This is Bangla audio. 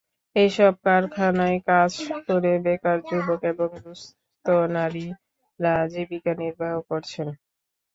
এসব কারখানায় কাজ করে বেকার যুবক এবং দুস্থ নারীরা জীবিকা নির্বাহ করছেন।